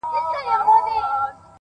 ستا خــوله كــي ټــپه اشــنا ـ